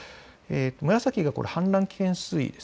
紫が氾濫危険水位です。